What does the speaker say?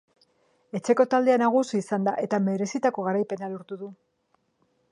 Etxeko taldea nagusi izan da, eta merezitako garaipena lortu du.